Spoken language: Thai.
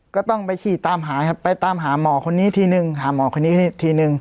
ก็ต้องไปขี่ตามหาครับไปตามหาหมอคนนี้ทีนึงหาหมอคนนี้ทีนึง